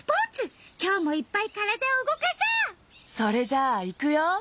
それじゃあいくよ。